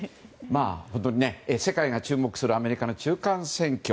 本当に世界が注目するアメリカの中間選挙。